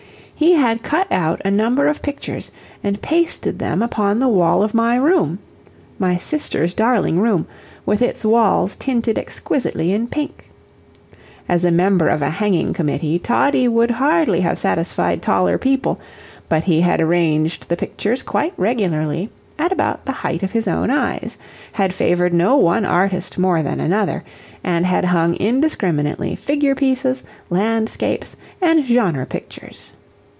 He had cut out a number of pictures, and pasted them upon the wall of my room my sister's darling room, with its walls tinted exquisitely in pink. As a member of a hanging committee, Toddie would hardly have satisfied taller people, but he had arranged the pictures quite regularly, at about the height of his own eyes, had favored no one artist more than another, and had hung indiscriminately figure pieces, landscapes, and genre pictures.